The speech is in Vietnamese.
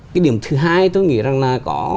cái điểm thứ hai tôi nghĩ rằng là có